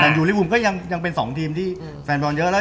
แมนยูลิฟภูมิก็ยังเป็น๒ทีมที่แฟนบรอนเยอะแล้ว